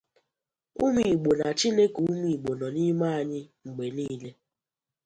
Ụmụ Igbo na Chineke ụmụ Igbo nọ n’ime anyị mgbe nile